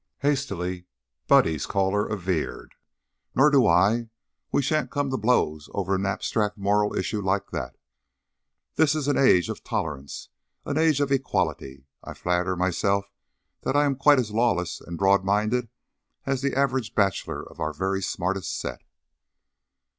Hastily Buddy's caller averred: "Nor do I. We sha'n't come to blows over an abstract moral issue like that. This is an age of tolerance, an age of equality. I flatter myself that I'm quite as lawless and broad minded as the average bachelor of our very smartest set."